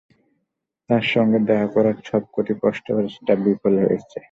তার সঙ্গে দেখা করার সব কটি প্রচেষ্টা বিফল হয়েছে।